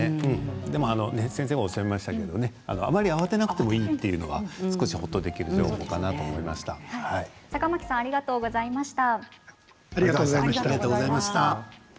でも先生がおっしゃいましたがあまり慌てなくてもいいというのは少しほっとできる情報かな坂巻さんありがとうございました。